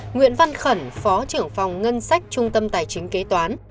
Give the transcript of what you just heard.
nguyễn văn khẩn phó trưởng phòng ngân sách trung tâm tài chính kế toán